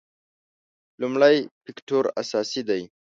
لومړی فکټور اساسي دی.